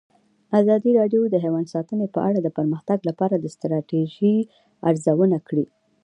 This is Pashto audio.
ازادي راډیو د حیوان ساتنه په اړه د پرمختګ لپاره د ستراتیژۍ ارزونه کړې.